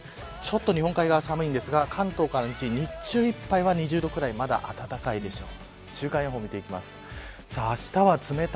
日本海側ちょっと寒いですが関東から西、日中いっぱいは２０度ぐらいでまだ暖かいでしょう。